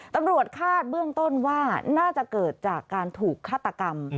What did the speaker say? ตำรวจคาดเบื้องต้นว่าน่าจะเกิดจากการถูกฆาตกรรม